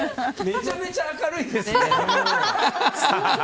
めちゃめちゃ明るいんですね！